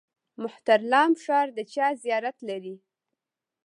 مهترلام ښار د چا زیارت لري؟